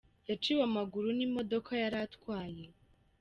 Yaciwe amaguru n’imodoka yaratwaye